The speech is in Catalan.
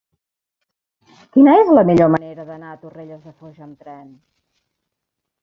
Quina és la millor manera d'anar a Torrelles de Foix amb tren?